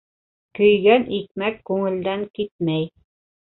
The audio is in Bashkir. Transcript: Көйгән икмәк күңелдән китмәй.